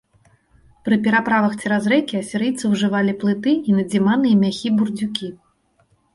Пры пераправах цераз рэкі асірыйцы ўжывалі плыты і надзіманыя мяхі-бурдзюкі.